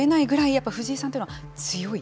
やっぱり藤井さんというのは強い？